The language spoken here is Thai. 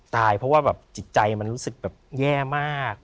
ตายเพราะว่าจิตใจมันรู้สึกแย่มาก